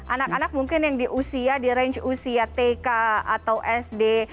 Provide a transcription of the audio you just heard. anak anak mungkin yang di usia di range usia tk atau sd